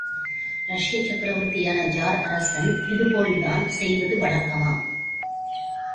ரஷ்யச் சக்கரவர்த்தியான ஜார் அரசன் இதுபோல்தான் செய்வது வழக்கமாம்.